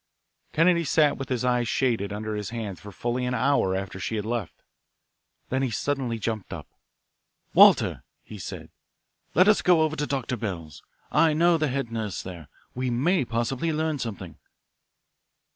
Kennedy sat with his eyes shaded under his hand for fully an hour after she had left. Then he suddenly jumped up. "Walter," he said, "let us go over to Dr. Bell's. I know the head nurse there. We may possibly learn something."